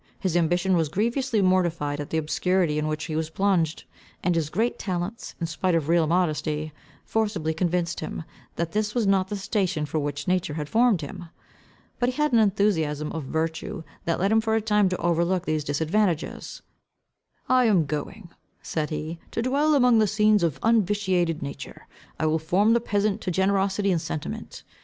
His ambition was grievously mortified at the obscurity in which he was plunged; and his great talents, in spite of real modesty, forcibly convinced him, that this was not the station for which nature had formed him. But he had an enthusiasm of virtue, that led him for a time to overlook these disadvantages. "I am going," said he, "to dwell among scenes of unvitiated nature. I will form the peasant to generosity and sentiment.